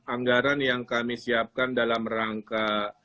anggaran yang kami siapkan dalam rangka